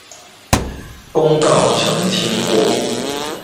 公告澄清過